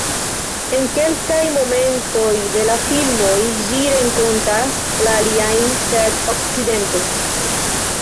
En kelkaj momentoj de la filmoj ĝi renkontas la aliajn sed "akcidente".